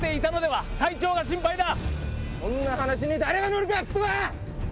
そんな話に誰が乗るか⁉くそが！